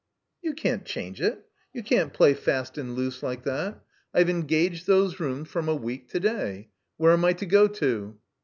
"You can't change it. You can't play fast and loose like that. I've engaged those rooms from a week to day. Where am I to go to